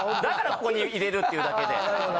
だからここに居れるっていうだけで。